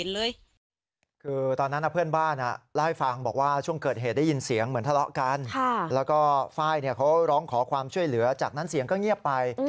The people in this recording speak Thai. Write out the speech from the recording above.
แล้วก็วันที่๑๕ธนาคมฟ้ายร้องขอความช่วยเหลือจากนั้นเสียงก็เงียบไป